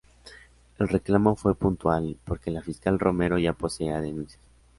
El reclamo fue puntual, porque la Fiscal Romero ya poseía denuncias.